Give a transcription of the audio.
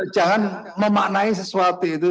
jangan memaknai sesuatu itu